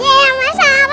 iya oma sarah